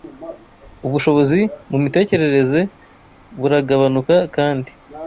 ubushobozi mu mitekerereze buragabanuka kandi